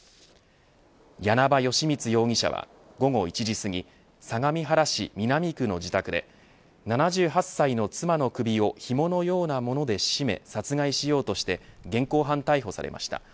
簗場善光容疑者は午後１時すぎ相模原市南区の自宅で７８歳の妻の首をひものようなもので絞め殺害しようとして現行犯逮捕されました。